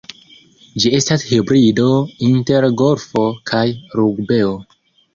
Ĝi estas hibrido inter golfo kaj rugbeo.